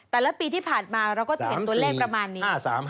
แต่ละปีที่ผ่านมาเราก็จะเห็นตัวเลขประมาณนี้